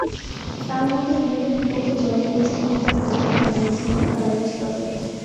তাঁর মতে, ইংল্যান্ডের বিপক্ষে জয়ে ওয়েস্ট ইন্ডিজের নায়ক স্যামুয়েলস নন, কার্লোস ব্রাফেট।